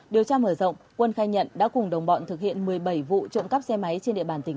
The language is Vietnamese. điều tra mở rộng quân khai nhận đã cùng đồng bọn thực hiện một mươi bảy vụ trộm cắp xe máy trên địa bàn tỉnh